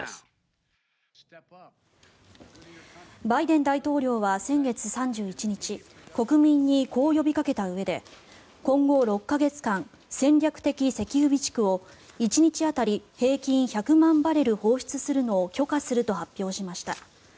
バイデン大統領は先月３１日国民にこう呼びかけたうえで今後６か月間、戦略的石油備蓄を１日当たり平均１００万バレル放出するのを許可すると発表しました。